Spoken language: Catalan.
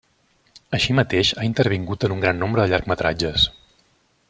Així mateix, ha intervingut en un gran nombre de llargmetratges.